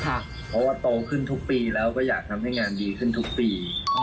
เพราะว่าโตขึ้นทุกปีแล้วก็อยากทำให้งานดีขึ้นทุกปี